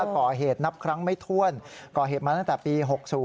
ก่อเหตุนับครั้งไม่ถ้วนก่อเหตุมาตั้งแต่ปี๖๐